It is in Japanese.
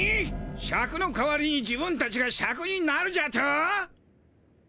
シャクの代わりに自分たちがシャクになるじゃと？